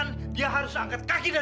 aku harus mencari dia